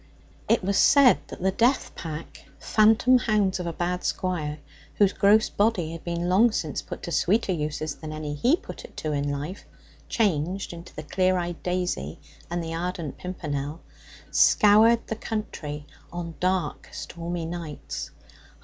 It was said that the death pack, phantom hounds of a bad squire, whose gross body had been long since put to sweeter uses than any he put it to in life changed into the clear eyed daisy and the ardent pimpernel scoured the country on dark stormy nights.